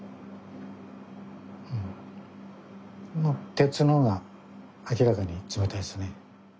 鉄の方が明らかに冷たいですね。